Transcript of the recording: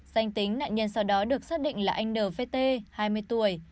danh tính nạn nhân sau đó được xác định là anh n v t hai mươi tuổi